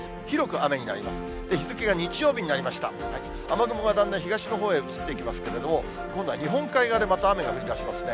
雨雲がだんだん東のほうへ移っていきますけれども、今度は日本海側でまた雨が降りだしますね。